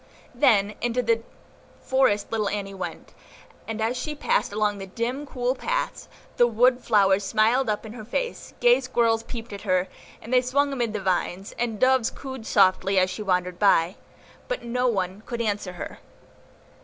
Then into the forest little Annie went; and as she passed along the dim, cool paths, the wood flowers smiled up in her face, gay squirrels peeped at her, as they swung amid the vines, and doves cooed softly as she wandered by; but none could answer her.